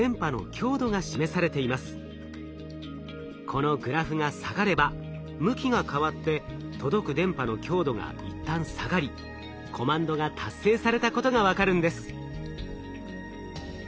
このグラフが下がれば向きが変わって届く電波の強度が一旦下がりコマンドが達成されたことが分かるんです。